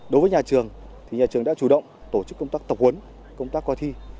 đối với nhà trường thì nhà trường đã chủ động tổ chức công tác tập huấn công tác coi thi